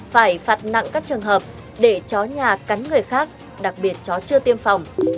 phải phạt nặng các trường hợp để chó nhà cắn người khác đặc biệt chó chưa tiêm phòng